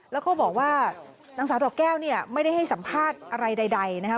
แล้วก็บอกว่านางศาสตร์ตบแก้วไม่ได้ให้สัมภาษณ์อะไรใดนะคะ